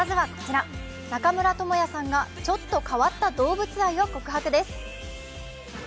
中村倫也さんがちょっと変わった動物愛を告白です。